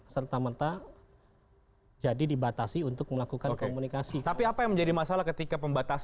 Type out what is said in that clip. serta merta jadi dibatasi untuk melakukan komunikasi tapi apa yang menjadi masalah ketika